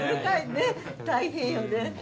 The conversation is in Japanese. ねっ大変よね。